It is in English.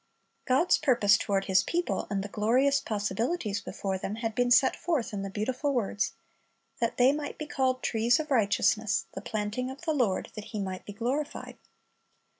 God's" purpose toward His people, and the glorious possibilities before them, had been set forth in the beautiful words, "That they might be called trees of righteousness, the planting of the Lord, that He might be glorified."